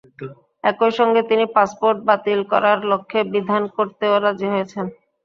একই সঙ্গে, তিনি পাসপোর্ট বাতিল করার লক্ষ্যে বিধান করতেও রাজি হয়েছেন।